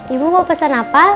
ibu mau pesan apa